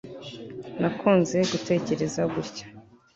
nakunze gutekereza gutya